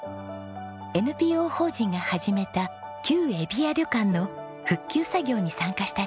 ＮＰＯ法人が始めた旧ゑびや旅館の復旧作業に参加した千尋さん。